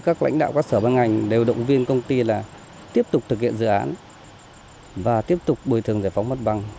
các lãnh đạo các sở băng ngành đều động viên công ty là tiếp tục thực hiện dự án và tiếp tục bồi thường giải phóng mặt bằng